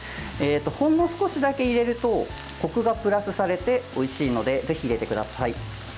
ほんの少しだけ入れるとこくがプラスされておいしいのでぜひ入れてください。